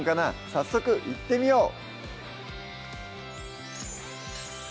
早速いってみよう